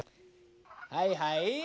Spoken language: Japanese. はいはい。